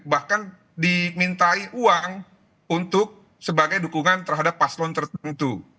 bahkan dimintai uang untuk sebagai dukungan terhadap paslon tertentu